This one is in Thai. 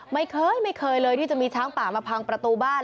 ไม่เคยไม่เคยเลยที่จะมีช้างป่ามาพังประตูบ้าน